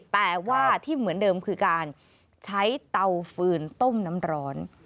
แต่ว่าที่เหมือนเดิมคือการใช้เตาฟืนต้มน้ำร้อน